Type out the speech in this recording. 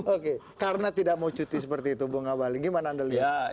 oke karena tidak mau cuti seperti itu bung abalin gimana anda lihat